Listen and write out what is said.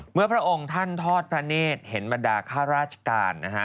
พระองค์ท่านทอดพระเนธเห็นบรรดาข้าราชการนะฮะ